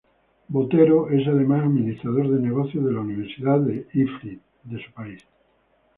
Botero es, además, Administrador de Negocios de la Universidad Eafit, de su país.